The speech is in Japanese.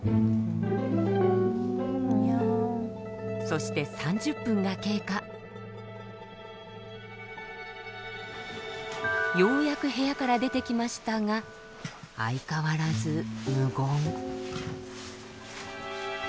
そしてようやく部屋から出てきましたが相変わらず無言。